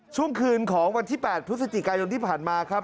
ช่วงคืนของวันที่๘พฤศจิกายนที่ผ่านมาครับ